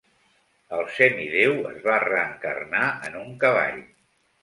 El semideu es va reencarnar en un cavall.